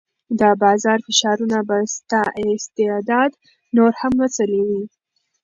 د بازار فشارونه به ستا استعداد نور هم وځلوي.